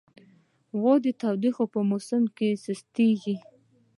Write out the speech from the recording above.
غوا د تودوخې په موسم کې سسته کېږي.